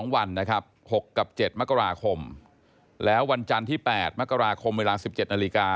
วันนะครับ๖กับ๗มกราคมแล้ววันจันทร์ที่๘มกราคมเวลา๑๗นาฬิกา